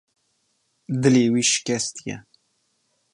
Dilê wî şikestî ye.